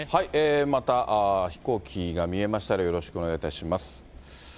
また飛行機が見えましたら、よろしくお願いいたします。